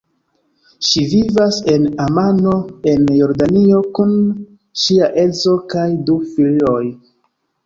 Ŝi vivas en Amano, en Jordanio, kun ŝia edzo kaj du filoj.